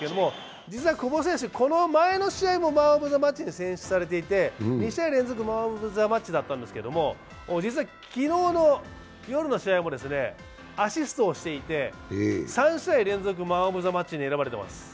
実は久保選手、前の試合もマン・オブ・ザ・マッチに選出されていて、２試合連続マン・オブ・ザ・マッチだったんですけども実は昨日の夜の試合もアシストをしていて、３試合連続、マン・オブ・ザ・マッチに選ばれています。